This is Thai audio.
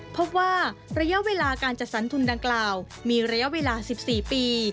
พบว่าระยะเวลาการจัดสรรทุนดังกล่าวมีระยะเวลา๑๔ปี